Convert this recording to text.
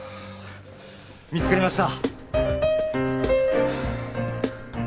見つかりました。